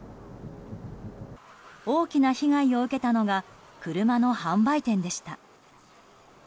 大きな被害を受けたのが車の販売店でした。